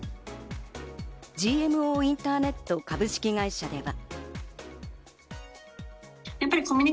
ＧＭＯインターネット株式会社では。